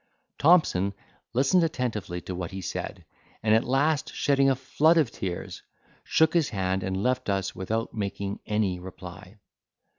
Thompson listened attentively to what he said, and at last, shedding a flood of tears, shook his hand, and left us without making any reply.